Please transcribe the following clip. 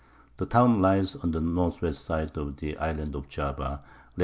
The Town lies on the N. W. side of the Island of Java, Lat.